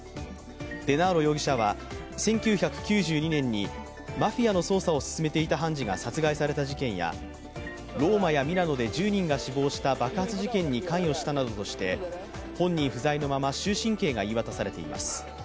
デナーロ容疑者は１９９２年にマフィアの捜査を進めていた判事が殺害された事件や、ローマやミラノで１０人が死亡した爆発事件に関与したなどとして本人不在のまま終身刑が言い渡されています。